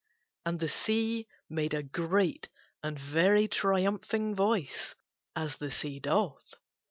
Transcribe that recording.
And the sea made a great and very triumphing voice, as the sea doth.